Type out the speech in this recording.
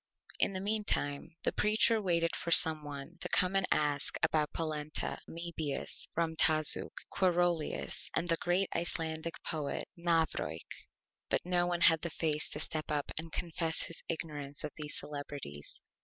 In the Meantime the Preacher waited for some one to come and ask about Polenta, Amebius, Ramtazuk, Quarolius and the great Icelandic Poet, Navrojk. But no one had the Face to step up and confess his Ignorance of these Celebrities.